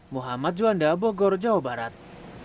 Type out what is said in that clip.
muhammad juanda bogor jawa barat